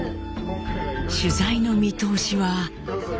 取材の見通しは。